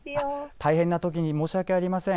大変なときに申し訳ありません。